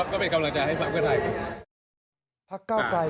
ก็เป็นกำลังใจให้พักเพื่อไทย